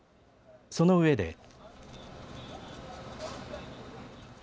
その上で。